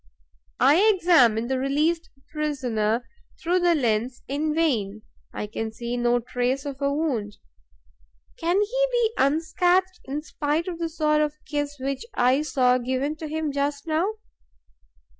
I examine the released prisoner through the lens in vain; I can see no trace of a wound. Can he be unscathed, in spite of the sort of kiss which I saw given to him just now?